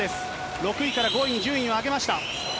６位から５位に順位を上げました。